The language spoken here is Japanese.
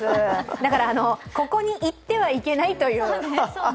だからここに行ってはいけないという。